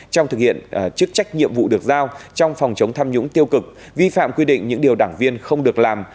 trong thực hiện chức trách nhiệm vụ được giao trong phòng chống tham nhũng tiêu cực vi phạm quy định những điều đảng viên không được làm